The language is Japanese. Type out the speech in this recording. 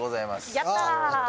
やった。